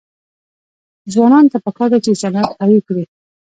ځوانانو ته پکار ده چې، صنعت قوي کړي.